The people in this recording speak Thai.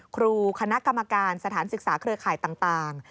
ครูคณะกรรมการสถานศึกษาเครือข่ายต่าง